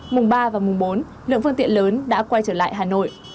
mùng ba và mùng bốn lượng phương tiện lớn đã quay trở lại hà nội